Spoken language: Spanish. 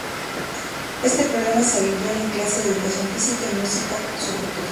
Este problema es habitual en clases de educación física y música sobre todo.